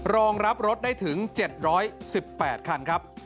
รองรับรถได้ถึง๗๑๘คันครับ